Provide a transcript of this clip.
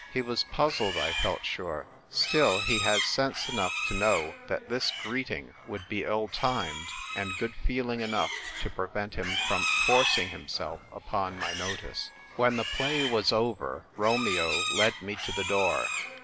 He was puzzled, I felt sure ; still he had sense enough to know that this greeting would be ill timed, and good feeling enough to prevent him from forcing himself upon my notice. When the play was over Romeo led me to the door.